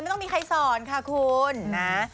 ต้องมีใครสอนค่ะคุณนะ